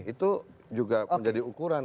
itu juga menjadi ukuran